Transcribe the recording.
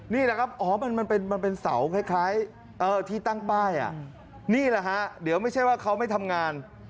นี่แหละครับอ๋อมันเป็นเสาคล้ายที่ตั้งป้ายนี่แหละฮะเดี๋ยวไม่ใช่ว่าเขาไม่ทำงาน